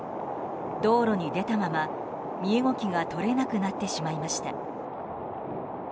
道路に出たまま、身動きが取れなくなってしまいました。